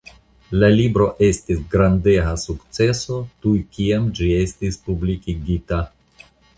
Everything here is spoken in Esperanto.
La libro estis grandega sukceso tuj kiam ĝi estis publikigita.